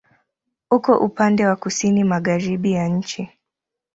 Uko upande wa kusini-magharibi ya nchi.